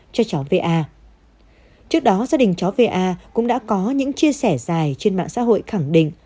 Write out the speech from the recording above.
trước đó gia đình cháu va cũng đã có những chia sẻ dài trên mạng xã hội khẳng định